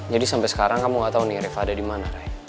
jadi sampai sekarang kamu gak tau nih refah ada di mana rey